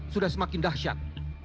sudah semakin dahsyat